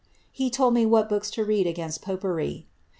He tol* what books to read agamst popery.